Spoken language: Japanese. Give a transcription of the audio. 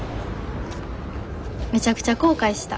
めちゃくちゃ後悔した。